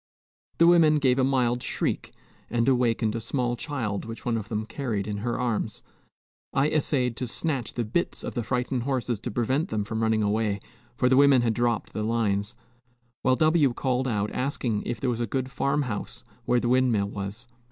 The women gave a mild shriek, and awakened a small child which one of them carried in her arms. I essayed to snatch the bits of the frightened horses to prevent them from running away, for the women had dropped the lines, while W called out asking if there was a good farm house where the windmill was.